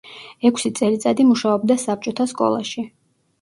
ექვსი წელიწადი მუშაობდა საბჭოთა სკოლაში.